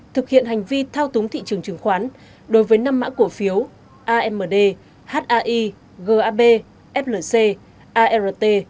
thực hiện hành vi thao túng thị trường chứng khoán đối với năm mã cổ phiếu amd hai gab flc art